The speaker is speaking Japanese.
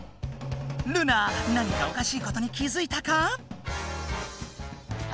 ルナ何かおかしいことに気づいたか？